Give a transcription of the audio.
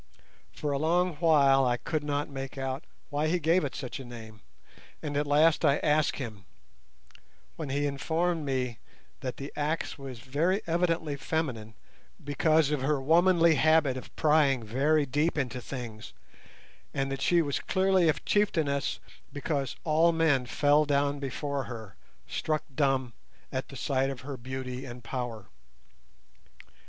For a long while I could not make out why he gave it such a name, and at last I asked him, when he informed me that the axe was very evidently feminine, because of her womanly habit of prying very deep into things, and that she was clearly a chieftainess because all men fell down before her, struck dumb at the sight of her beauty and power.